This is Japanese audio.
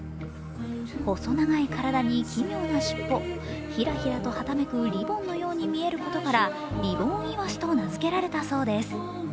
細長い体に奇妙な尻尾、ヒラヒラとはためくリボンのように見えることからリボンイワシと名付けられたそうです。